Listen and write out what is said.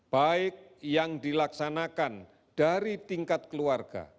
baik yang dilaksanakan dari tingkat keluarga